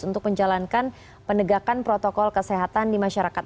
untuk menjalankan penegakan protokol kesehatan di masyarakat